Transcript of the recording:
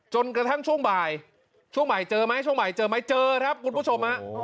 จนกระทั่งช่วงบ่ายช่วงบ่ายเจอไหมช่วงใหม่เจอไหมเจอครับคุณผู้ชมฮะ